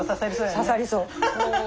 刺さりそう。